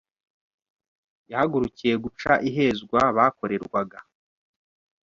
yahagurukiye guca ihezwa bakorerwaga,